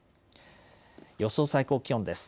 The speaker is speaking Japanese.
予想最高気温です。